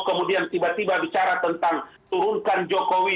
kemudian tiba tiba bicara tentang turunkan jokowi